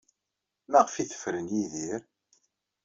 Maɣef ay tefren Yidir?